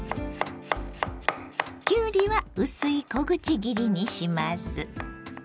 きゅうりは薄い小口切りにします。